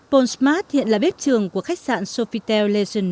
quý vị vừa theo dõi tiểu mục chuyện việt nam ngày hôm nay